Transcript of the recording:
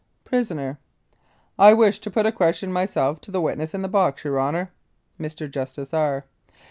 PRISONER: I wish to put a question myself to the witness in the box, your Honour. Mr. JUSTICE R.